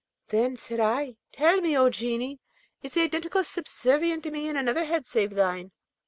Then said I, 'Tell me, O Genie! is the Identical subservient to me in another head save thine?'